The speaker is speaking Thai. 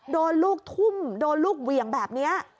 โดนลูกทุ่มโดนลูกเหวี่ยงแบบนี้